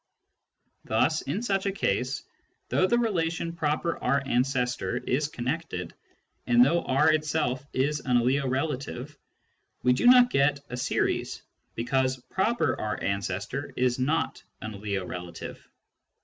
Thus in such a case, though the relation " proper R ancestor " is connected, and though R itself is an aliorelative, we do not get a series because " proper R ancestor " is not an aliorelative.